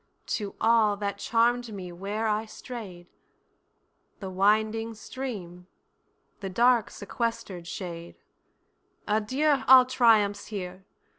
To all, that charm'd me where I stray'd, The winding stream, the dark sequester'd shade; Adieu all triumphs here!